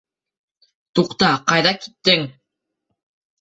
Туҡта, ҡайҙа киттең?